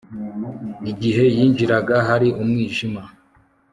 Igihe yinjiraga hari umwijima